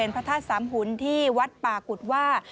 บริเวณพระทาสสามหุ้นที่วัดปากุฎว่า